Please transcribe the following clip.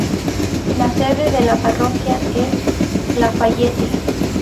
La sede de la parroquia es Lafayette.